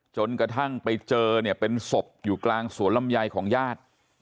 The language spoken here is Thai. จนกระทั่งไปเจอเนี่ยเป็นศพอยู่กลางสวนลำไยของญาติ